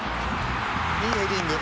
いいヘディング。